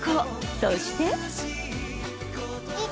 そして。